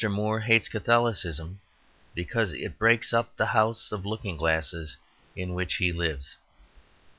Moore hates Catholicism because it breaks up the house of looking glasses in which he lives.